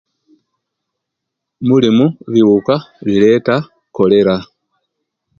Mulimu ebibuka ebireta kolera